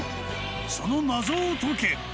その謎を解け。